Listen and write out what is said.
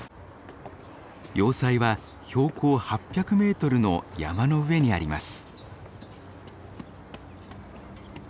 要塞は標高８００メートルの山の上にあります。